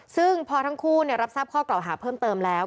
ซึ่งพอทั้งคู่รับทราบข้อกล่าวหาเพิ่มเติมแล้ว